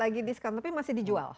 lagi diskon tapi masih dijual